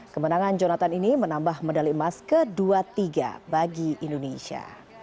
kemenangan jonathan ini menambah medali emas ke dua puluh tiga bagi indonesia